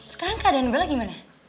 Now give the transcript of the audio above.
sekarang keadaan bella gimana